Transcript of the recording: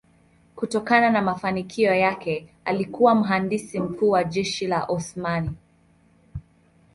Kutokana na mafanikio yake alikuwa mhandisi mkuu wa jeshi la Osmani.